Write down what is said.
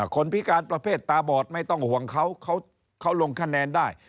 พิการประเภทตาบอดไม่ต้องห่วงเขาเขาลงคะแนนได้